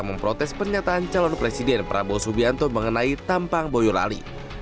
memprotes pernyataan calon presiden prabowo subianto mengenai tampang boyolali